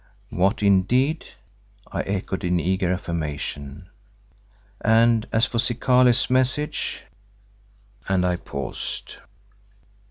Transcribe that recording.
"What, indeed?" I echoed in eager affirmation, "and as for Zikali's message——" and I paused.